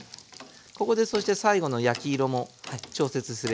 ここでそして最後の焼き色も調節すればほら。